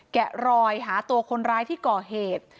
แกะรอยหาตัวคนร้ายที่ก่อเหตุ